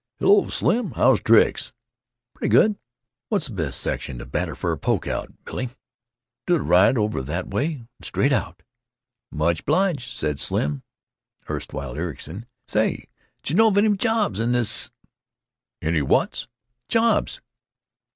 "Hello, Slim. How's tricks?" "Pretty good. What's the best section to batter for a poke out, Billy?" "To the right, over that way, and straight out." "Much 'bliged," said Slim—erstwhile Ericson. "Say, j' know of any jobs in this——" "Any whats?" "Jobs."